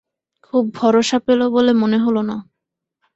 খুব ভরসা পেল বলে মনে হল না।